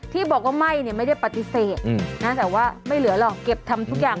ที่บอกว่าไหม้เนี่ยไม่ได้ปฏิเสธแต่ว่าไม่เหลือหรอกเก็บทำทุกอย่าง